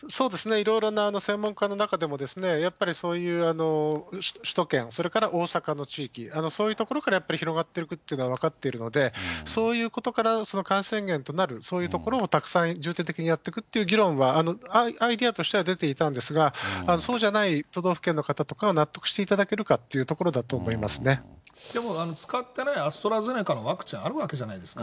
いろいろな専門家の中でも、やっぱりそういう首都圏、それから大阪の地域、そういう所からやっぱり広がっていくっていうのが分かっているので、そういうことから、感染源となるそういう所をたくさん重点的にやってくっていう議論は、アイデアとしては出ていたんですが、そうじゃない都道府県の方とかは納得していただけるかっていうとでも、使ってないアストラゼネカのワクチンあるわけじゃないですか。